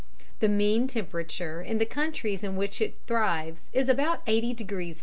The mean temperature in the countries in which it thrives is about 80 degrees F.